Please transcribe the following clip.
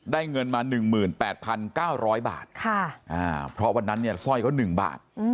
เงินมา๑๘๙๐๐บาทเพราะวันนั้นเนี่ยสร้อยเขา๑บาท